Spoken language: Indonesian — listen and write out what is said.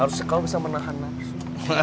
harusnya kau bisa menahan nafsu